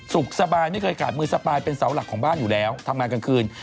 สุขสบายไม่เคยขาดมือสปายเป็นเสาหลักของบ้านอยู่แล้วทำงานกลางคืน